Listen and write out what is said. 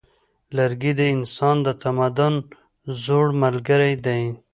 لرګی د انسان د تمدن زوړ ملګری دی.